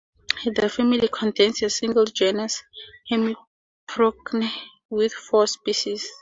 The family contains a single genus, Hemiprocne, with four species.